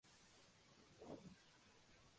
Pasar por el puente es gratuito.